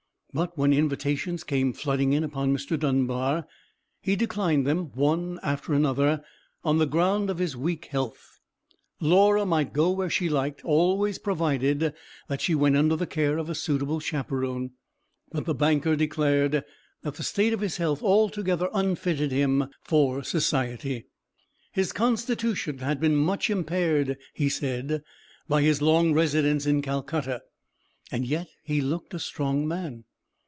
But when invitations came flooding in upon Mr. Dunbar, he declined them one after another, on the ground of his weak health. Laura might go where she liked, always provided that she went under the care of a suitable chaperone; but the banker declared that the state of his health altogether unfitted him for society. His constitution had been much impaired, he said, by his long residence in Calcutta. And yet he looked a strong man.